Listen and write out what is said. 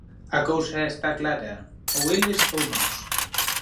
A cousa está clara, ou eles, ou nós.